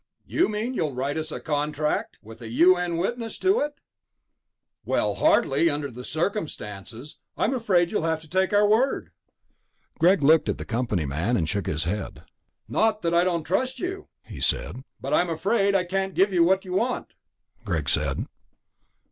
"You mean you'll write us a contract? With a U.N. witness to it?" "Well, hardly ... under the circumstances. I'm afraid you'll have to take our word." Greg looked at the company man, and shook his head. "Not that I don't trust you," he said, "but I'm afraid I can't give you what you want," Greg said.